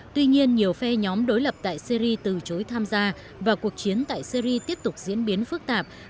tuy nhiên nhiều phe nhóm đối lập tại syri từ chối tham gia và cuộc chiến tại syri tiếp tục diễn biến phức tạp